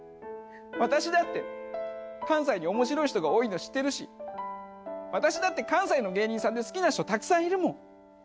私だって関西に面白い人が多いの知ってるし私だって関西の芸人さんで好きな人たくさんいるもん。